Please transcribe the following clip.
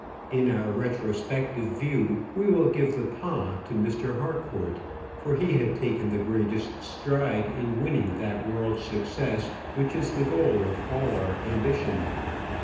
In our retrospective view we will give the pas to Mr. Harcourt, for he had taken the greatest stride in winning that world's success, which is the goal of all our ambition.